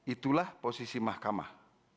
itulah posisi mahkamah